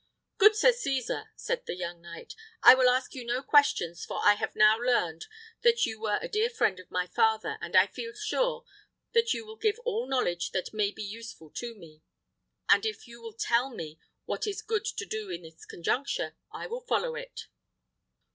"Good Sir Cesar," said the young knight, "I will ask you no questions, for I have now learned that you were a dear friend of my father, and I feel sure that you will give all knowledge that may be useful to me; and if you will tell me what is good to do in this conjuncture, I will follow it."